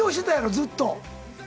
ずっと。